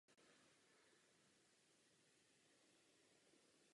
Takovým událostem nemůžeme nečinně přihlížet.